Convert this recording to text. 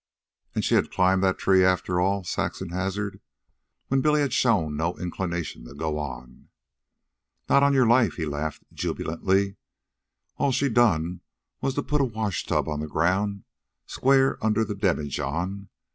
"And she'd climbed the tree after all," Saxon hazarded, when Billy had shown no inclination of going on. "Not on your life," he laughed jubilantly. "All she'd done was to put a washtub on the ground square under the demijohn.